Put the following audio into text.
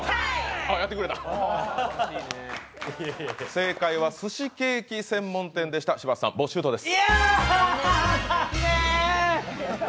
正解は寿司ケーキ専門店でした柴田さん、ボッシュートです。